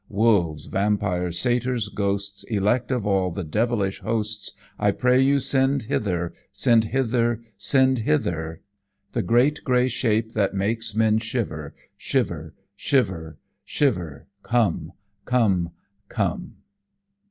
"Wolves, vampires, satyrs, ghosts! Elect of all the devilish hosts! I pray you send hither, Send hither, send hither, The great grey shape that makes men shiver! Shiver, shiver, shiver! Come! Come! Come!"